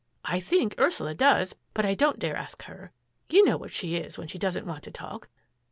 I think Ursula does, but I don't dare ask her; you know what she is when she doesn't want to talk.